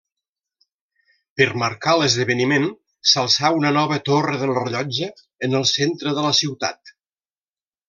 Per marcar l'esdeveniment, s'alçà una nova torre del rellotge en el centre de la ciutat.